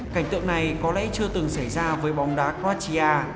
cảnh tượng này có lẽ chưa từng xảy ra với bóng đá cratia